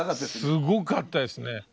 すごかったですね。